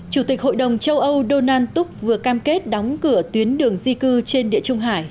chủ tịch hội đồng châu âu donald tuk vừa cam kết đóng cửa tuyến đường di cư trên địa trung hải